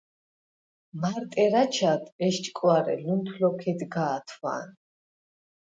მარტ ერ აჩად, ესჭკვარე, ლუნთ ლოქ ედგა̄თვა̄ნ.